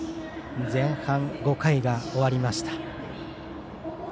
前半５回が終わりました。